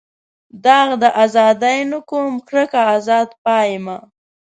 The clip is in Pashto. داغ د ازادۍ نه کوم کرکه ازاد پایمه.